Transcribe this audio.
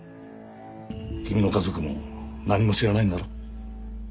君の家族も何も知らないんだろ？